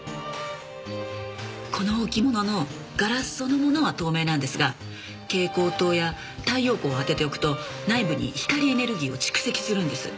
この置物のガラスそのものは透明なんですが蛍光灯や太陽光を当てておくと内部に光エネルギーを蓄積するんです。